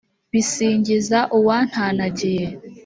Bisingiza uwantanagiye.